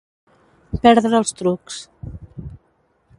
Perdre els trucs.